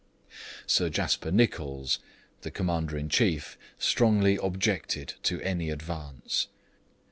Sir Jasper Nicholls, the Commander in Chief, strongly objected to any advance.